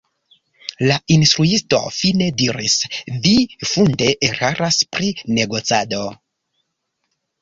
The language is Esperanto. La instruisto fine diris: “Vi funde eraras pri negocado.